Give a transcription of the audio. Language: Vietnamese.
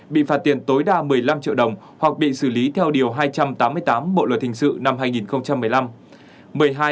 bị phạt tiền tối đa một mươi năm triệu đồng hoặc bị xử lý theo điều hai trăm tám mươi tám bộ luật hình sự năm hai nghìn một mươi năm